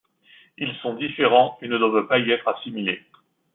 Ils sont différents et ne doivent pas y être assimilés.